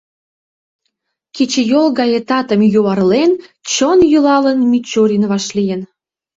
Кечыйол гае татым юарлен, чон йӱлалын Мичурин вашлийын.